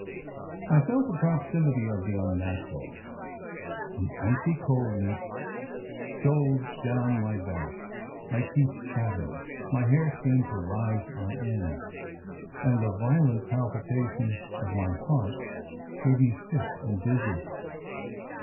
I felt the proximity of the unnatural. An icy coldness stole down my back, my teeth chattered, my hair seemed to rise on end, and the violent palpitation of my heart made me sick and dizzy.